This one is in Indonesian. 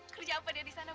kerja apa dia di sana bu